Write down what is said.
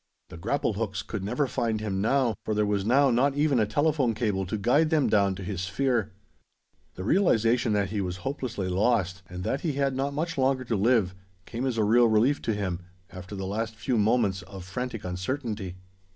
The grapple hooks could never find him now, for there was now not even a telephone cable to guide them down to his sphere. The realization that he was hopelessly lost, and that he had not much longer to live, came as a real relief to him, after the last few moments of frantic uncertainty.